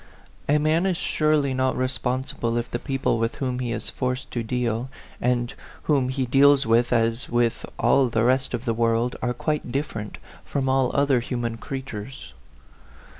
A man is surely not responsible if the peo ple with whom he is forced to deal, and A PHANTOM LOVER. 47 whom he deals with as with all the rest of the world, are quite different from all other human creatures.